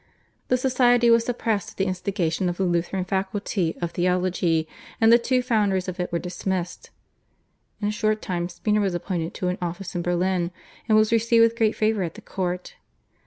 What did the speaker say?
This society was suppressed at the instigation of the Lutheran faculty of theology, and the two founders of it were dismissed. In a short time Spener was appointed to an office in Berlin and was received with great favour at the court.